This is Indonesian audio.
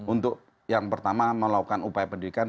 untuk yang pertama melakukan upaya pendidikan